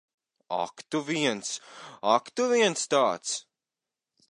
Ak tu viens. Ak, tu viens tāds!